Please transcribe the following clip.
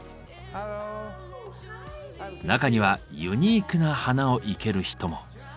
中にはユニークな花を生ける人も。